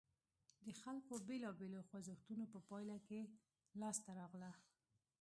د خلکو بېلابېلو خوځښتونو په پایله کې لاسته راغله.